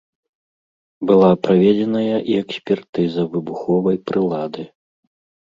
Была праведзеная і экспертыза выбуховай прылады.